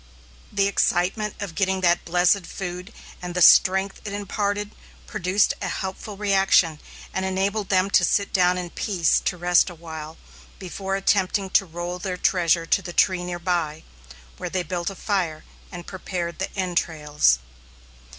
The excitement of getting that blessed food, and the strength it imparted, produced a helpful reaction, and enabled them to sit down in peace to rest a while, before attempting to roll their treasure to the tree near by, where they built a fire and prepared the entrails.